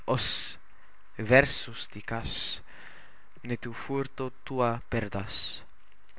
Hos versus dicas, ne tu furto tua perdas.